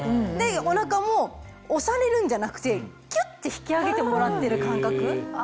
お腹も押されるんじゃなくてきゅって引き上げてもらってる感覚。